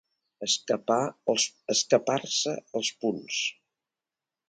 Escapar-se els punts.